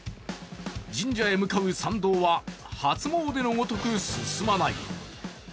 神社へ向かう参道は初詣のごとく進まない。